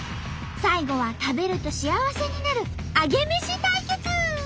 最後は食べると幸せになるアゲメシ対決！